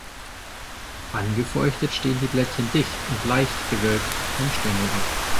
Angefeuchtet stehen die Blättchen dicht und leicht gewölbt vom Stängel ab.